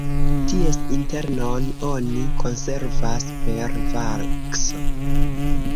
Ties internon oni konservas per vakso.